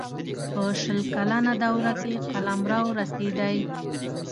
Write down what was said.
په شل کلنه دوره کې قلمرو رسېدی.